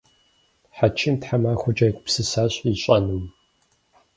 Хьэчим тхьэмахуэкӏэ егупсысащ ищӏэнум.